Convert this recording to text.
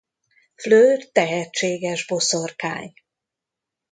Fleur tehetséges boszorkány.